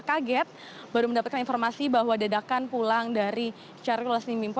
kaget baru mendapatkan informasi bahwa dadakan pulang dari syahrul yassin limpo